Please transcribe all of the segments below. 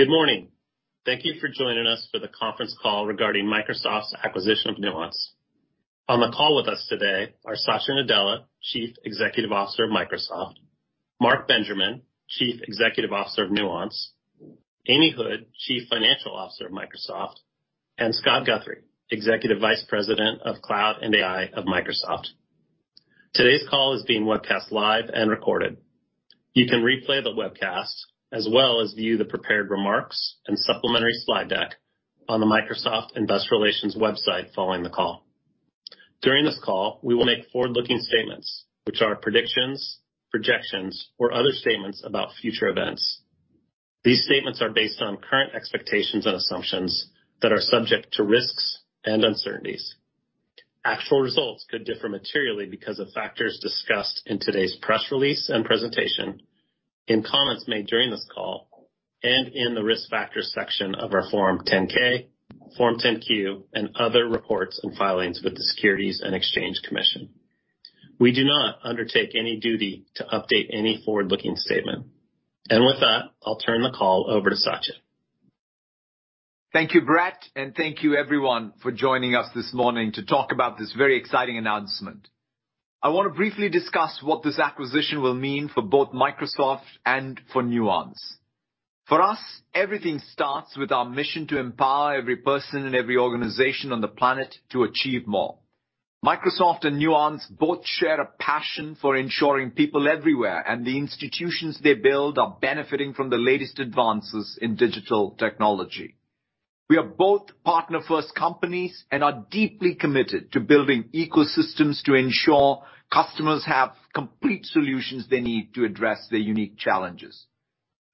Good morning? Thank you for joining us for the conference call regarding Microsoft's acquisition of Nuance. On the call with us today are Satya Nadella, Chief Executive Officer of Microsoft, Mark Benjamin, Chief Executive Officer of Nuance, Amy Hood, Chief Financial Officer of Microsoft, and Scott Guthrie, Executive Vice President of Cloud and AI of Microsoft. Today's call is being webcast live and recorded. You can replay the webcast as well as view the prepared remarks and supplementary slide deck on the Microsoft Investor Relations website following the call. During this call, we will make forward-looking statements which are predictions, projections, or other statements about future events. These statements are based on current expectations and assumptions that are subject to risks and uncertainties. Actual results could differ materially because of factors discussed in today's press release and presentation, in comments made during this call, and in the Risk Factors section of our Form 10-K, Form 10-Q, and other reports and filings with the Securities and Exchange Commission. We do not undertake any duty to update any forward-looking statement. With that, I'll turn the call over to Satya. Thank you, Brett, and thank you everyone for joining us this morning to talk about this very exciting announcement. I want to briefly discuss what this acquisition will mean for both Microsoft and for Nuance. For us, everything starts with our mission to empower every person and every organization on the planet to achieve more. Microsoft and Nuance both share a passion for ensuring people everywhere and the institutions they build are benefiting from the latest advances in digital technology. We are both partner-first companies and are deeply committed to building ecosystems to ensure customers have complete solutions they need to address their unique challenges.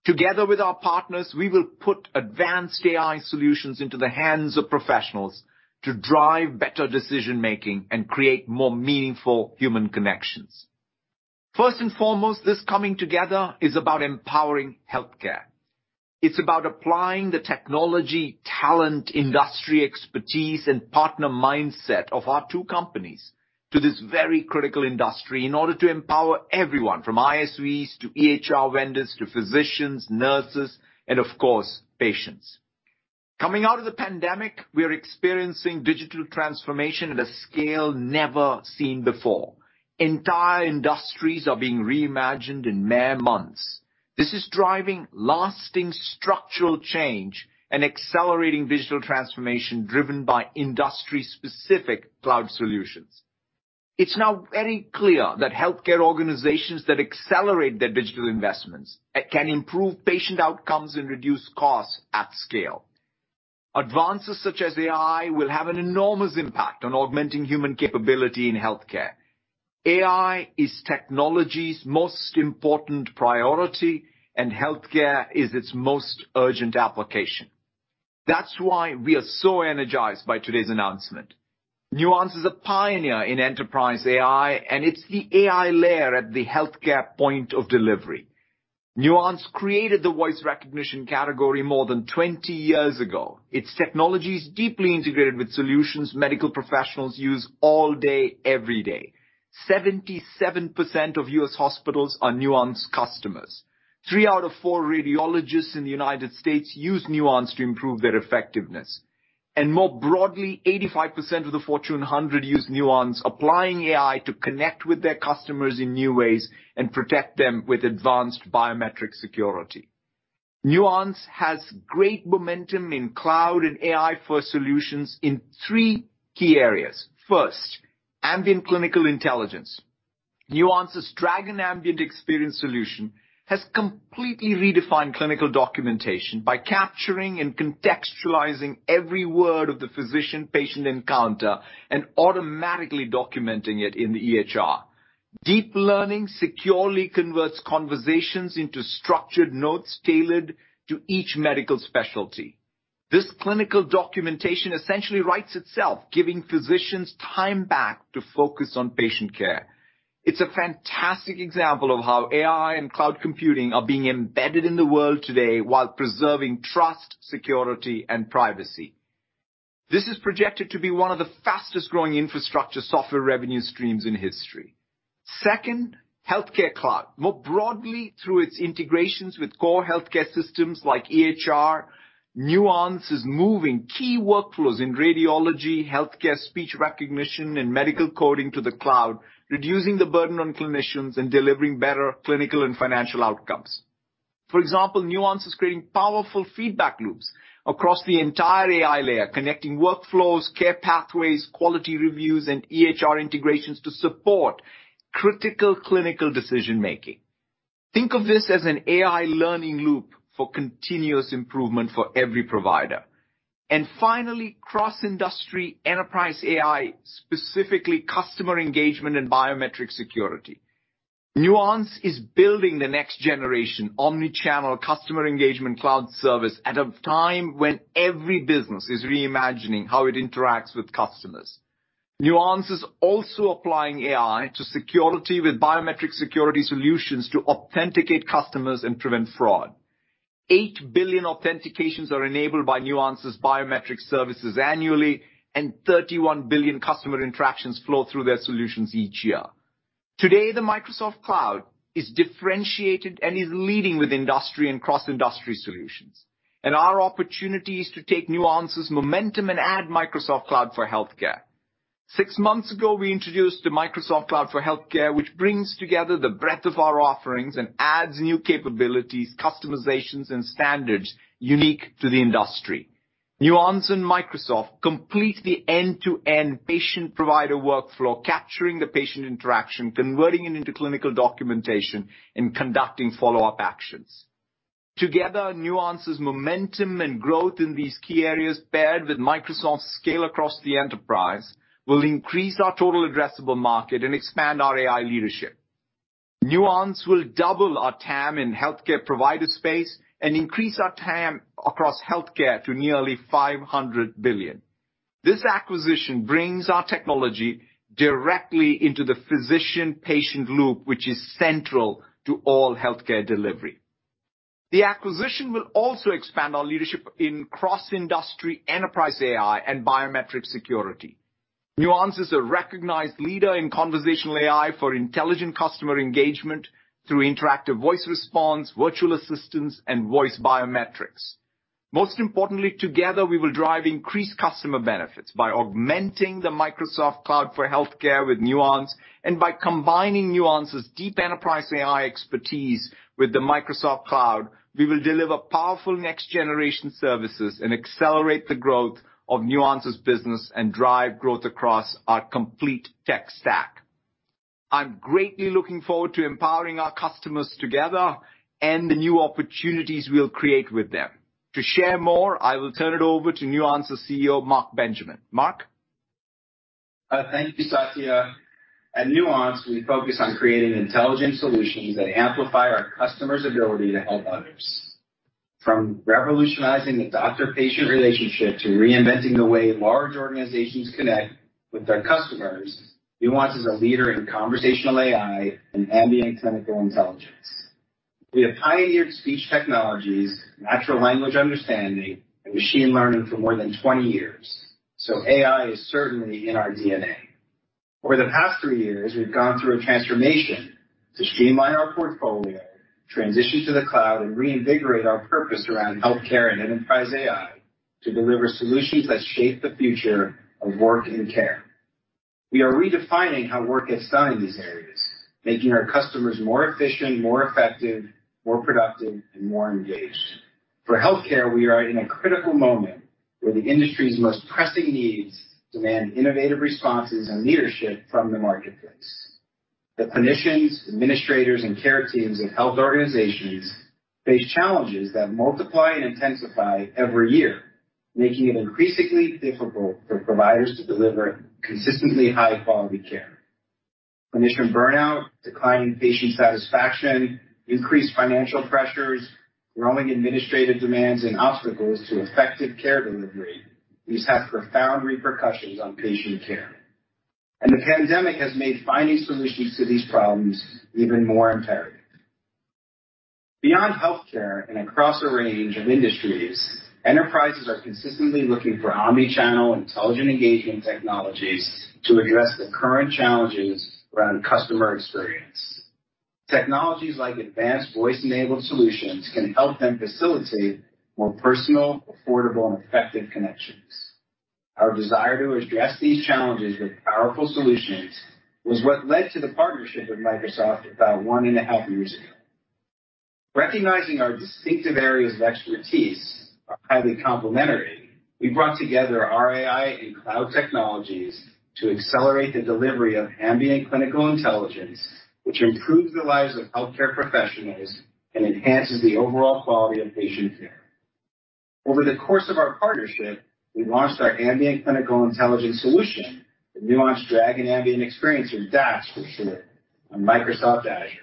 Together with our partners, we will put advanced AI solutions into the hands of professionals to drive better decision-making and create more meaningful human connections. First and foremost, this coming together is about empowering healthcare. It's about applying the technology, talent, industry expertise, and partner mindset of our two companies to this very critical industry in order to empower everyone from ISVs to EHR vendors to physicians, nurses, and of course, patients. Coming out of the pandemic, we are experiencing digital transformation at a scale never seen before. Entire industries are being reimagined in mere months. This is driving lasting structural change and accelerating digital transformation driven by industry-specific cloud solutions. It's now very clear that healthcare organizations that accelerate their digital investments can improve patient outcomes and reduce costs at scale. Advances such as AI will have an enormous impact on augmenting human capability in healthcare. AI is technology's most important priority, and healthcare is its most urgent application. That's why we are so energized by today's announcement. Nuance is a pioneer in enterprise AI, and it's the AI layer at the healthcare point of delivery. Nuance created the voice recognition category more than 20 years ago. Its technology is deeply integrated with solutions medical professionals use all day, every day. 77% of U.S. hospitals are Nuance customers. Three out of four radiologists in the United States use Nuance to improve their effectiveness. More broadly, 85% of the Fortune 100 use Nuance, applying AI to connect with their customers in new ways and protect them with advanced biometric security. Nuance has great momentum in cloud and AI first solutions in three key areas. First, ambient clinical intelligence. Nuance's Dragon Ambient eXperience solution has completely redefined clinical documentation by capturing and contextualizing every word of the physician-patient encounter and automatically documenting it in the EHR. Deep learning securely converts conversations into structured notes tailored to each medical specialty. This clinical documentation essentially writes itself, giving physicians time back to focus on patient care. It's a fantastic example of how AI and cloud computing are being embedded in the world today while preserving trust, security, and privacy. This is projected to be one of the fastest-growing infrastructure software revenue streams in history. Second, healthcare cloud. More broadly through its integrations with core healthcare systems like EHR, Nuance is moving key workflows in radiology, healthcare, speech recognition, and medical coding to the cloud, reducing the burden on clinicians and delivering better clinical and financial outcomes. For example, Nuance is creating powerful feedback loops across the entire AI layer, connecting workflows, care pathways, quality reviews, and EHR integrations to support critical clinical decision-making. Think of this as an AI learning loop for continuous improvement for every provider. Finally, cross-industry enterprise AI, specifically customer engagement and biometric security. Nuance is building the next generation omnichannel customer engagement cloud service at a time when every business is reimagining how it interacts with customers. Nuance is also applying AI to security with biometric security solutions to authenticate customers and prevent fraud. Eight billion authentications are enabled by Nuance's biometric services annually, and 31 billion customer interactions flow through their solutions each year. Today, the Microsoft Cloud is differentiated and is leading with industry and cross-industry solutions, and our opportunity is to take Nuance's momentum and add Microsoft Cloud for Healthcare. Six months ago, we introduced the Microsoft Cloud for Healthcare, which brings together the breadth of our offerings and adds new capabilities, customizations, and standards unique to the industry. Nuance and Microsoft complete the end-to-end patient provider workflow, capturing the patient interaction, converting it into clinical documentation, and conducting follow-up actions. Together, Nuance's momentum and growth in these key areas paired with Microsoft's scale across the enterprise will increase our total addressable market and expand our AI leadership. Nuance will double our TAM in healthcare provider space and increase our TAM across healthcare to nearly $500 billion. This acquisition brings our technology directly into the physician-patient loop, which is central to all healthcare delivery. The acquisition will also expand our leadership in cross-industry enterprise AI and biometric security. Nuance is a recognized leader in conversational AI for intelligent customer engagement through interactive voice response, virtual assistants, and voice biometrics. Most importantly, together, we will drive increased customer benefits by augmenting the Microsoft Cloud for Healthcare with Nuance, and by combining Nuance's deep enterprise AI expertise with the Microsoft Cloud, we will deliver powerful next generation services and accelerate the growth of Nuance's business and drive growth across our complete tech stack. I'm greatly looking forward to empowering our customers together and the new opportunities we'll create with them. To share more, I will turn it over to Nuance's Chief Executive Officer, Mark Benjamin. Mark? Thank you, Satya. At Nuance, we focus on creating intelligent solutions that amplify our customers' ability to help others. From revolutionizing the doctor-patient relationship to reinventing the way large organizations connect with their customers, Nuance is a leader in conversational AI and ambient clinical intelligence. We have pioneered speech technologies, natural language understanding, and machine learning for more than 20 years, so AI is certainly in our DNA. Over the past three years, we've gone through a transformation to streamline our portfolio, transition to the cloud, and reinvigorate our purpose around healthcare and enterprise AI to deliver solutions that shape the future of work and care. We are redefining how work gets done in these areas, making our customers more efficient, more effective, more productive, and more engaged. For healthcare, we are in a critical moment where the industry's most pressing needs demand innovative responses and leadership from the marketplace. The clinicians, administrators, and care teams of health organizations face challenges that multiply and intensify every year, making it increasingly difficult for providers to deliver consistently high-quality care. Clinician burnout, declining patient satisfaction, increased financial pressures, growing administrative demands, and obstacles to effective care delivery. These have profound repercussions on patient care, and the pandemic has made finding solutions to these problems even more imperative. Beyond healthcare and across a range of industries, enterprises are consistently looking for omnichannel intelligent engagement technologies to address the current challenges around customer experience. Technologies like advanced voice-enabled solutions can help them facilitate more personal, affordable, and effective connections. Our desire to address these challenges with powerful solutions was what led to the partnership with Microsoft about one and a half years ago. Recognizing our distinctive areas of expertise are highly complementary, we brought together our AI and cloud technologies to accelerate the delivery of ambient clinical intelligence, which improves the lives of healthcare professionals and enhances the overall quality of patient care. Over the course of our partnership, we launched our ambient clinical intelligence solution with Nuance Dragon Ambient eXperience, or DAX for short, on Microsoft Azure.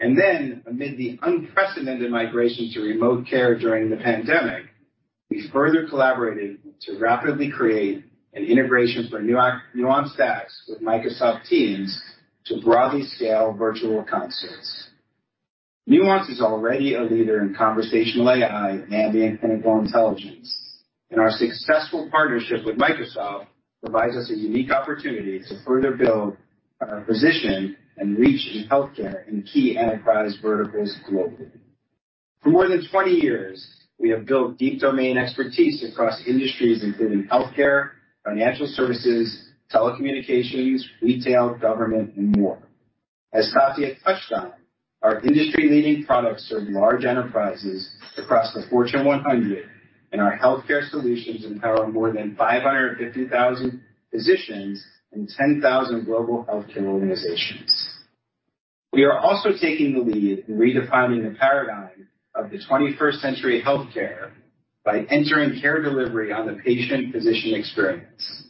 Amid the unprecedented migration to remote care during the pandemic, we further collaborated to rapidly create an integration for Nuance DAX with Microsoft Teams to broadly scale virtual consults. Nuance is already a leader in conversational AI and ambient clinical intelligence, and our successful partnership with Microsoft provides us a unique opportunity to further build our position and reach in healthcare in key enterprise verticals globally. For more than 20 years, we have built deep domain expertise across industries including healthcare, financial services, telecommunications, retail, government, and more. Satya touched on, our industry-leading products serve large enterprises across the Fortune 100, and our healthcare solutions empower more than 550,000 physicians and 10,000 global healthcare organizations. We are also taking the lead in redefining the paradigm of the 21st century healthcare by entering care delivery on the patient-physician experience.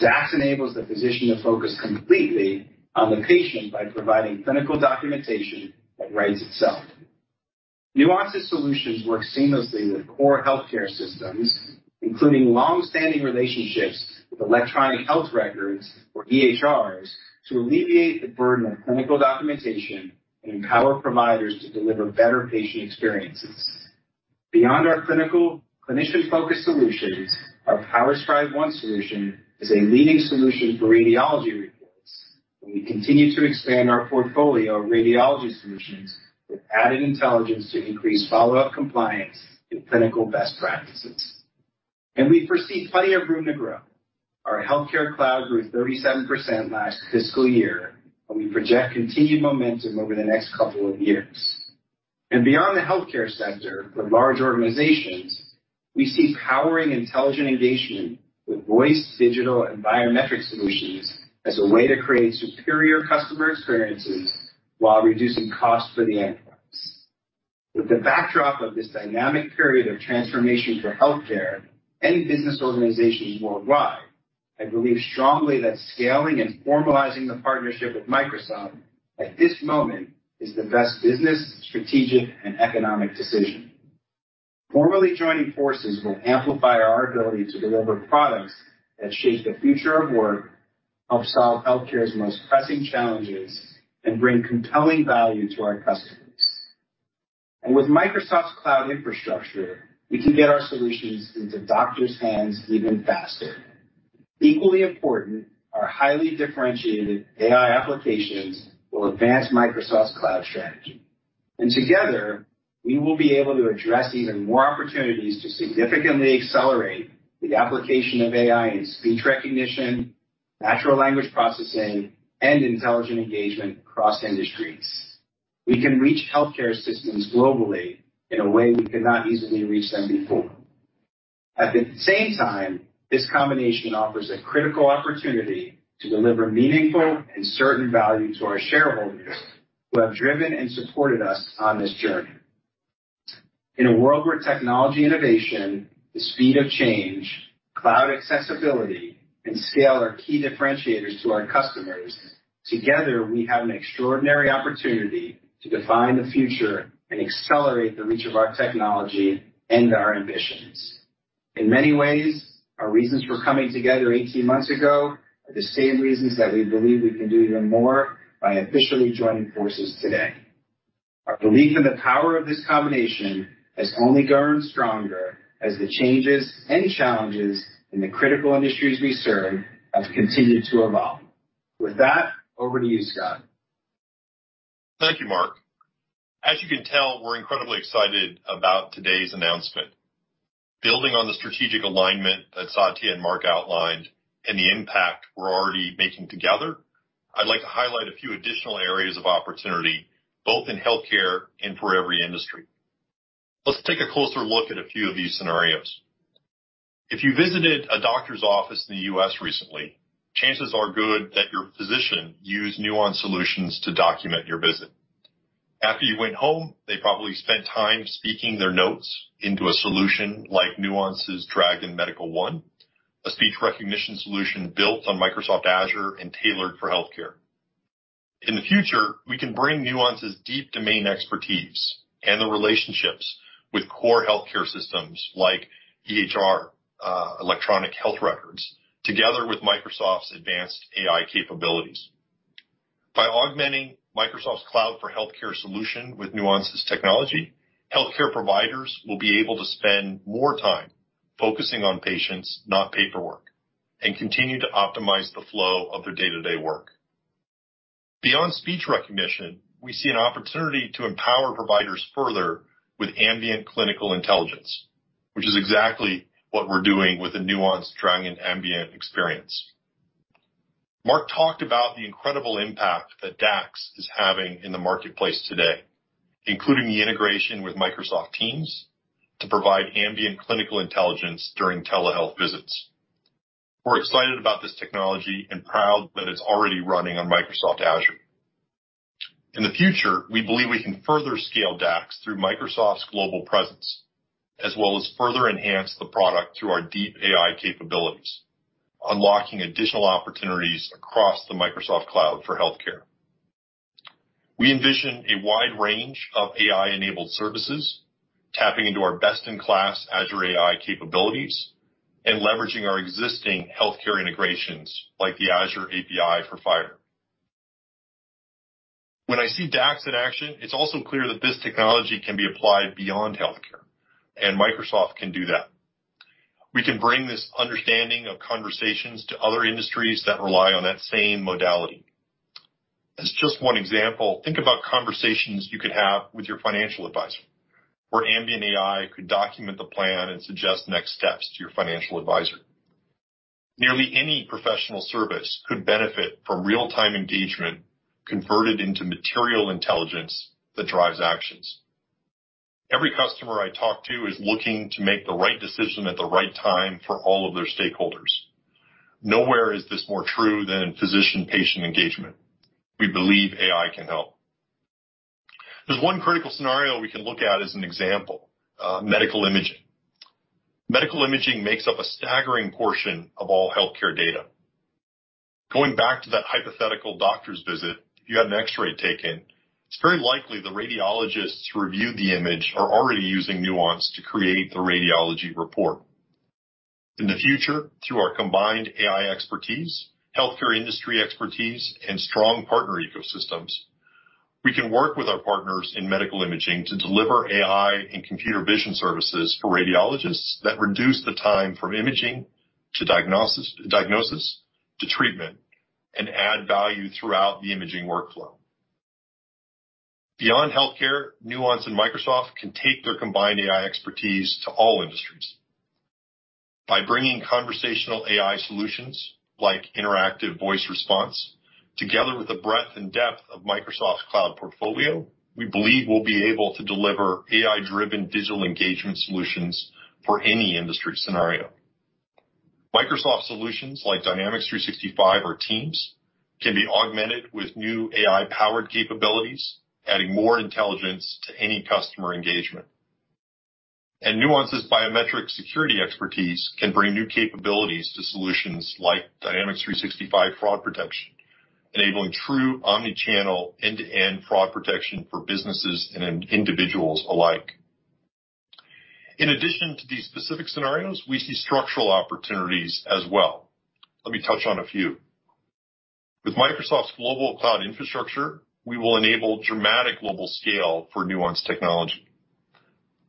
DAX enables the physician to focus completely on the patient by providing clinical documentation that writes itself. Nuance's solutions work seamlessly with core healthcare systems, including long-standing relationships with electronic health records, or EHRs, to alleviate the burden of clinical documentation and empower providers to deliver better patient experiences. Beyond our clinical clinician-focused solutions, our PowerScribe One solution is a leading solution for radiology reports, we continue to expand our portfolio of radiology solutions with added intelligence to increase follow-up compliance and clinical best practices. We foresee plenty of room to grow. Our healthcare cloud grew 37% last fiscal year, we project continued momentum over the next couple of years. Beyond the healthcare sector for large organizations, we see powering intelligent engagement with voice, digital, and biometric solutions as a way to create superior customer experiences while reducing costs for the enterprise. With the backdrop of this dynamic period of transformation for healthcare and business organizations worldwide, I believe strongly that scaling and formalizing the partnership with Microsoft at this moment is the best business, strategic, and economic decision. Formally joining forces will amplify our ability to deliver products that shape the future of work, help solve healthcare's most pressing challenges, and bring compelling value to our customers. With Microsoft's cloud infrastructure, we can get our solutions into doctors' hands even faster. Equally important, our highly differentiated AI applications will advance Microsoft's cloud strategy. Together, we will be able to address even more opportunities to significantly accelerate the application of AI in speech recognition, natural language processing, and intelligent engagement across industries. We can reach healthcare systems globally in a way we could not easily reach them before. At the same time, this combination offers a critical opportunity to deliver meaningful and certain value to our shareholders who have driven and supported us on this journey. In a world where technology innovation, the speed of change, cloud accessibility, and scale are key differentiators to our customers, together, we have an extraordinary opportunity to define the future and accelerate the reach of our technology and our ambitions. In many ways, our reasons for coming together 18 months ago are the same reasons that we believe we can do even more by officially joining forces today. Our belief in the power of this combination has only grown stronger as the changes and challenges in the critical industries we serve have continued to evolve. With that, over to you, Scott. Thank you, Mark. As you can tell, we're incredibly excited about today's announcement. Building on the strategic alignment that Satya and Mark outlined and the impact we're already making together, I'd like to highlight a few additional areas of opportunity, both in healthcare and for every industry. Let's take a closer look at a few of these scenarios. If you visited a doctor's office in the U.S. recently, chances are good that your physician used Nuance solutions to document your visit. After you went home, they probably spent time speaking their notes into a solution like Nuance's Dragon Medical One, a speech recognition solution built on Microsoft Azure and tailored for healthcare. In the future, we can bring Nuance's deep domain expertise and the relationships with core healthcare systems like EHR, electronic health records, together with Microsoft's advanced AI capabilities. By augmenting Microsoft Cloud for Healthcare solution with Nuance's technology, healthcare providers will be able to spend more time focusing on patients, not paperwork, and continue to optimize the flow of their day-to-day work. Beyond speech recognition, we see an opportunity to empower providers further with ambient clinical intelligence, which is exactly what we're doing with the Nuance Dragon Ambient eXperience. Mark talked about the incredible impact that DAX is having in the marketplace today, including the integration with Microsoft Teams to provide ambient clinical intelligence during telehealth visits. We're excited about this technology and proud that it's already running on Microsoft Azure. In the future, we believe we can further scale DAX through Microsoft's global presence, as well as further enhance the product through our deep AI capabilities, unlocking additional opportunities across the Microsoft Cloud for Healthcare. We envision a wide range of AI-enabled services tapping into our best-in-class Azure AI capabilities and leveraging our existing healthcare integrations like the Azure API for FHIR. When I see DAX in action, it's also clear that this technology can be applied beyond healthcare, and Microsoft can do that. We can bring this understanding of conversations to other industries that rely on that same modality. As just one example, think about conversations you could have with your financial advisor, where ambient AI could document the plan and suggest next steps to your financial advisor. Nearly any professional service could benefit from real-time engagement converted into material intelligence that drives actions. Every customer I talk to is looking to make the right decision at the right time for all of their stakeholders. Nowhere is this more true than physician-patient engagement. We believe AI can help. There's one critical scenario we can look at as an example, medical imaging. Medical imaging makes up a staggering portion of all healthcare data. Going back to that hypothetical doctor's visit, if you had an X-ray taken, it's very likely the radiologists who reviewed the image are already using Nuance to create the radiology report. In the future, through our combined AI expertise, healthcare industry expertise, and strong partner ecosystems, we can work with our partners in medical imaging to deliver AI and computer vision services for radiologists that reduce the time from imaging to diagnosis, to treatment and add value throughout the imaging workflow. Beyond healthcare, Nuance and Microsoft can take their combined AI expertise to all industries. By bringing conversational AI solutions like interactive voice response, together with the breadth and depth of Microsoft's cloud portfolio, we believe we'll be able to deliver AI-driven digital engagement solutions for any industry scenario. Microsoft solutions like Dynamics 365 or Teams can be augmented with new AI-powered capabilities, adding more intelligence to any customer engagement. Nuance's biometric security expertise can bring new capabilities to solutions like Dynamics 365 Fraud Protection, enabling true omnichannel end-to-end fraud protection for businesses and individuals alike. In addition to these specific scenarios, we see structural opportunities as well. Let me touch on a few. With Microsoft's global cloud infrastructure, we will enable dramatic global scale for Nuance technology.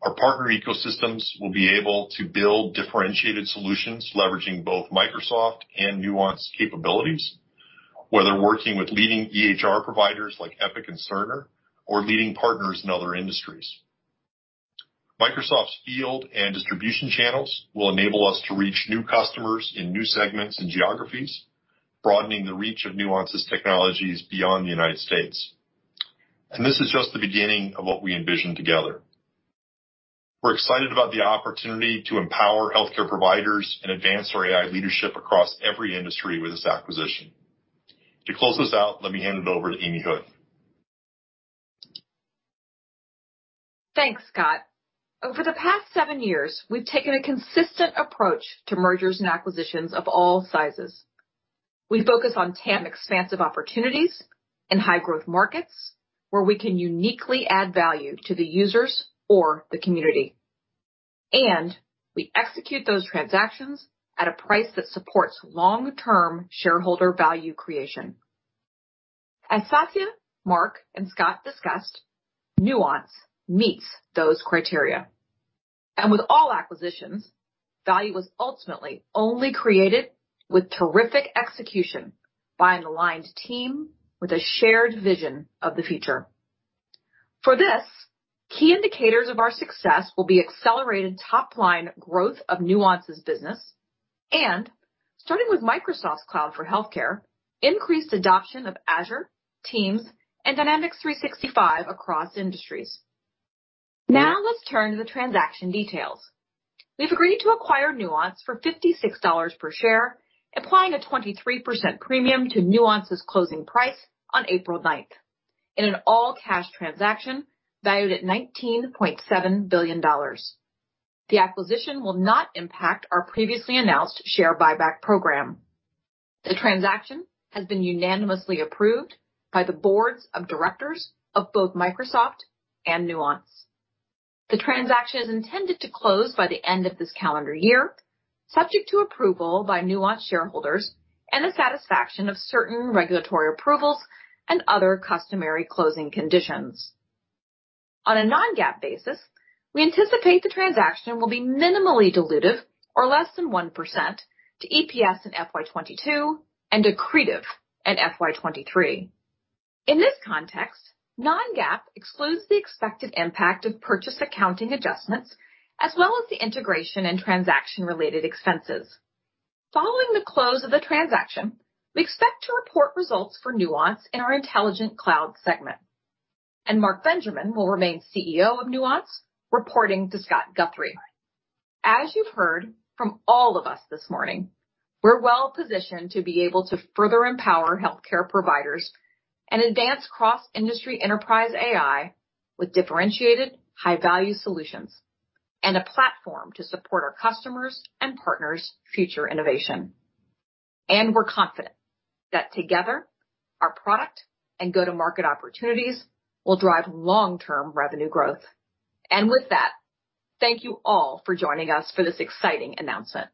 Our partner ecosystems will be able to build differentiated solutions, leveraging both Microsoft and Nuance capabilities, whether working with leading EHR providers like Epic and Cerner, or leading partners in other industries. Microsoft's field and distribution channels will enable us to reach new customers in new segments and geographies, broadening the reach of Nuance's technologies beyond the United States. This is just the beginning of what we envision together. We're excited about the opportunity to empower healthcare providers and advance our AI leadership across every industry with this acquisition. To close this out, let me hand it over to Amy Hood. Thanks, Scott. Over the past seven years, we've taken a consistent approach to mergers and acquisitions of all sizes. We focus on TAM expansive opportunities in high growth markets where we can uniquely add value to the users or the community. We execute those transactions at a price that supports long-term shareholder value creation. As Satya, Mark, and Scott discussed, Nuance meets those criteria. With all acquisitions, value is ultimately only created with terrific execution by an aligned team with a shared vision of the future. For this, key indicators of our success will be accelerated top-line growth of Nuance's business, and starting with Microsoft Cloud for Healthcare, increased adoption of Azure, Teams, and Dynamics 365 across industries. Now let's turn to the transaction details. We've agreed to acquire Nuance for $56 per share, implying a 23% premium to Nuance's closing price on April 9, in an all-cash transaction valued at $19.7 billion. The acquisition will not impact our previously announced share buyback program. The transaction has been unanimously approved by the Boards of Directors of both Microsoft and Nuance. The transaction is intended to close by the end of this calendar year, subject to approval by Nuance shareholders and the satisfaction of certain regulatory approvals and other customary closing conditions. On a non-GAAP basis, we anticipate the transaction will be minimally dilutive or less than 1% to EPS in FY 2022 and accretive in FY 2023. In this context, non-GAAP excludes the expected impact of purchase accounting adjustments, as well as the integration and transaction-related expenses. Following the close of the transaction, we expect to report results for Nuance in our Intelligent Cloud segment. Mark Benjamin will remain Chief Executive Officer of Nuance, reporting to Scott Guthrie. As you've heard from all of us this morning, we're well-positioned to be able to further empower healthcare providers and advance cross-industry enterprise AI with differentiated high-value solutions and a platform to support our customers' and partners' future innovation. We're confident that together, our product and go-to-market opportunities will drive long-term revenue growth. With that, thank you all for joining us for this exciting announcement.